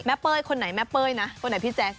เป้ยคนไหนแม่เป้ยนะคนไหนพี่แจ๊ค